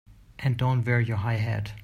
And don't wear your high hat!